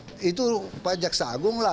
ya itu rupa rupa jaksagung lah